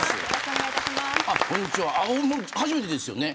初めてですよね。